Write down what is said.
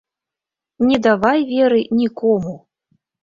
Не давай веры нікому.